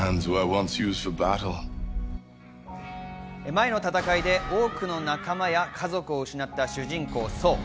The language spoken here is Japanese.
前の戦いで多くの仲間や家族を失った主人公・ソー。